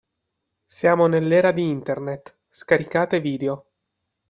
Siamo nell'era di Internet, scaricate video.